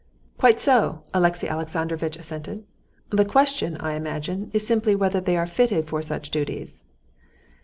"Quite so," Alexey Alexandrovitch assented. "The question, I imagine, is simply whether they are fitted for such duties."